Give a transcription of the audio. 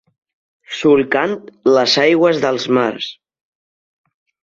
Solcant les aigües dels mars.